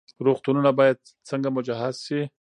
روغتونونه باید څنګه مجهز شي؟